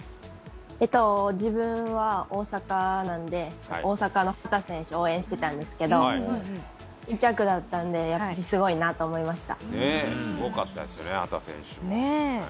自分は大阪なんで大阪の秦選手を応援んしてたんですけど、２着だったので、すごいと思いました。